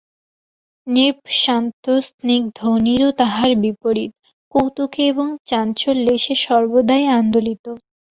নৃপ শান্ত স্নিগ্ধ, নীরু তাহার বিপরীত, কৌতুকে এবং চাঞ্চল্যে সে সর্বদাই আন্দোলিত।